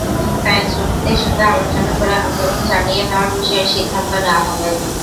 তাই শ্রমিকদের সঙ্গে আলোচনা করে আন্দোলন চালিয়ে নেওয়ার বিষয়ে সিদ্ধান্ত নেওয়া হবে।